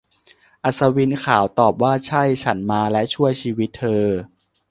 อัศวินขาวตอบว่า ใช่ ฉันมาและช่วยชีวิตเธอ